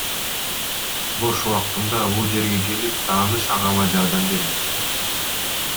Бош убактымда бул жерге келип, тааныш агама жардам берем.